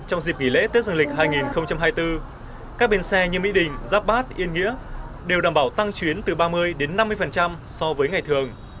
trong dịp nghỉ lễ tết dương lịch hai nghìn hai mươi bốn các bến xe như mỹ đình giáp bát yên nghĩa đều đảm bảo tăng chuyến từ ba mươi đến năm mươi so với ngày thường